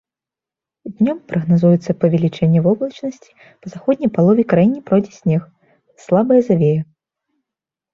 Днём прагназуецца павелічэнне воблачнасці, па заходняй палове краіны пройдзе снег, слабая завея.